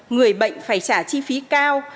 người bệnh phải trả chi phí cao